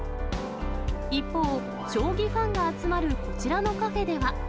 一方、将棋ファンが集まるこちらのカフェでは。